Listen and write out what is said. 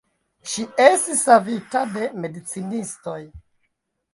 Ŝi estis savita de medicinistoj.